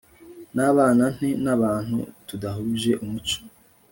nabana nte n'abantu tudahuje umuco